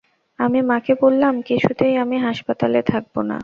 আমি মাকে বললাম, কিছুতেই আমি হাসপাতালে থাকব না।